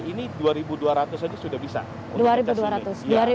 ini dua ribu dua ratus aja sudah bisa